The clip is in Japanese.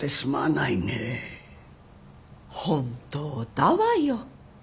本当だわよ。